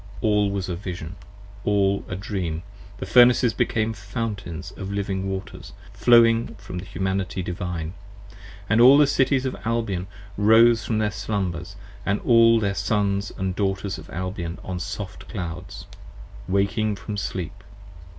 All was a Vision, all a Dream: the Furnaces became Fountains of Living Waters, flowing from the Humanity Divine. And all the Cities of Albion rose from their Slumbers, and All The Sons & Daughters of Albion on soft clouds, Waking from Sleep.